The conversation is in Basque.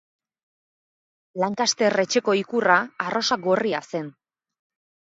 Lancaster etxeko ikurra arrosa gorria zen.